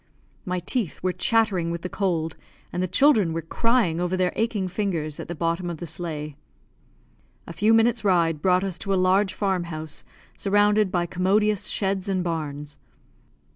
My teeth were chattering with the cold, and the children were crying over their aching fingers at the bottom of the sleigh. A few minutes' ride brought us to a large farm house, surrounded by commodious sheds and barns.